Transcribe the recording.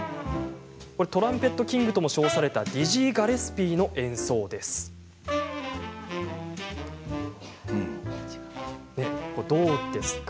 これはトランペットキングとも称されたディジー・ガレスピーの演奏です。